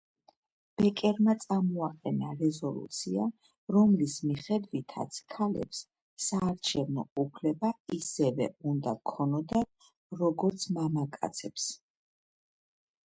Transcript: ბეკერმა წამოაყენა რეზოლუცია, რომლის მიხედვითაც ქალებს საარჩევნო უფლება ისევე უნდა ქონოდათ როგორც მამაკაცებს.